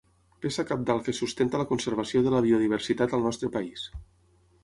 Peça cabdal que sustenta la conservació de la biodiversitat al nostre país.